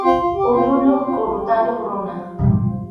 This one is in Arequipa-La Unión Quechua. Ulluyuq qʼurutayuq runa.